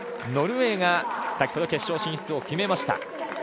ノルウェーが先ほど決勝進出を決めました。